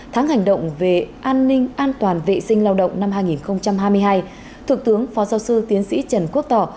tháng hành động về an ninh an toàn vệ sinh lao động năm hai nghìn hai mươi hai thượng tướng phó giáo sư tiến sĩ trần quốc tỏ